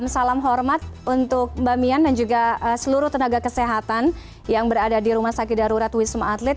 salam hormat untuk mbak mian dan juga seluruh tenaga kesehatan yang berada di rumah sakit darurat wisma atlet